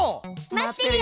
待ってるよ！